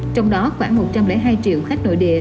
trong đó khoảng một trăm linh hai triệu khách nội địa